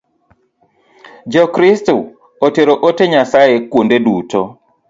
Jo Kristo otero ote Nyasaye kuonde duto